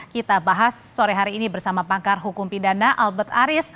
kita bahas sore hari ini bersama pakar hukum pidana albert aris